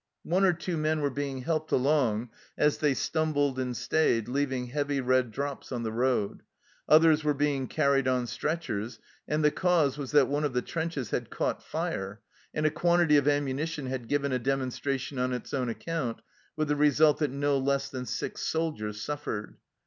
One or two men were being helped along as they stumbled and stayed, leaving heavy red drops on the road ; others were being carried on stretchers ; and the cause was that one of the trenches had caught fire, and a quantity of ammunition had given a demonstration on its own account, with the result that no less than six soldiers suffered.